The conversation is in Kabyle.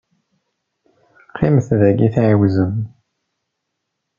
Qqimet dagi tɛiwzem.